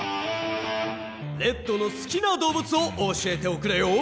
レッドのすきなどうぶつを教えておくれよ！